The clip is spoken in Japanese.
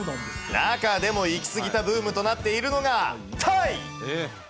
中でもいきすぎたブームとなっているのが、タイ。